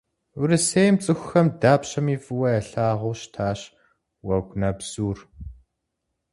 Урысейм цӏыхухэм дапщэми фӏыуэ ялъагъуу щытащ уэгунэбзур.